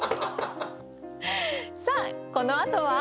さあこのあとは。